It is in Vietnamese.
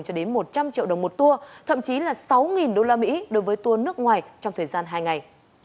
cho đến một trăm linh triệu đồng một tour thậm chí là sáu usd đối với tour nước ngoài trong thời gian hai ngày